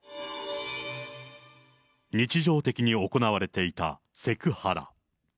日常的に行われていたセクハラ。